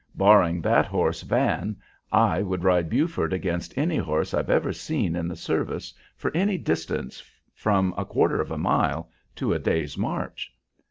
Barring that horse Van, I would ride Buford against any horse I've ever seen in the service for any distance from a quarter of a mile to a day's march."